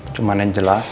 cuman yang jelas